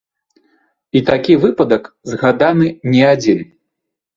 І такі выпадак згаданы не адзін.